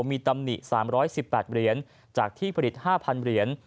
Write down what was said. มีตำหนิ๓๑๘เหรียญจากที่ผลิต๕๐๐เหรียญ